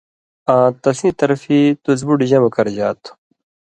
آں تسیں طرفی تُس بُٹ جمع کرژا تھو